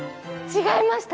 違いました？